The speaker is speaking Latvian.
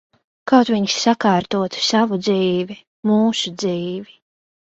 Kaut viņš sakārtotu savu dzīvi. Mūsu dzīvi.